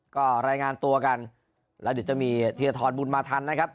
ก็รายงานตัวกันแล้วเดี๋ยวจะมีธีรทรบุญมาทันนะครับ